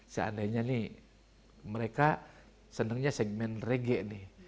seandainya nih mereka senangnya segmen rege nih